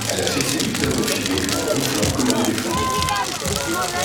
Elle avait fait ses huit heures d’affilée en ronflant comme un éléphant.